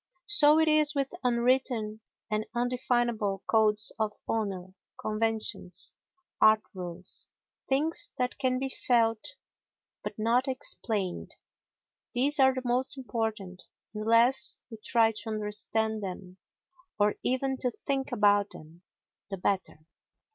So it is with unwritten and indefinable codes of honour, conventions, art rules—things that can be felt but not explained—these are the most important, and the less we try to understand them, or even to think about them, the better.